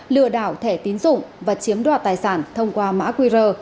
lừa đảo thẻ tín dụng và chiếm đoạt tài sản thông qua mã qr